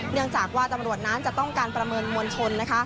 เนื่องจากว่าตำรวจนั้นจะต้องการประเมินมวลชนนะคะ